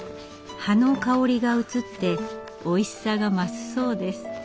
葉の香りが移っておいしさが増すそうです。